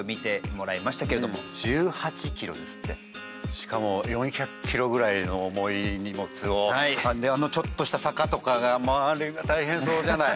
しかも４００キロぐらいの重い荷物をちょっとした坂とかがあれが大変そうじゃない。